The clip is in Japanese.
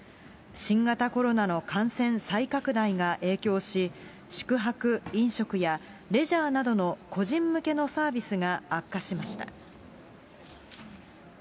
新型コロナの感染再拡大が影響し、宿泊・飲食やレジャーなどの個人向けのサービスが悪化しました。